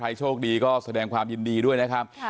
โชคดีก็แสดงความยินดีด้วยนะครับ